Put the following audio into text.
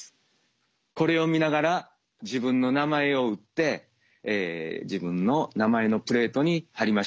これを見ながら自分の名前を打って自分の名前のプレートに貼りました。